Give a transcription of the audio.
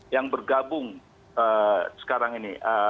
yang bergabung sekarang ini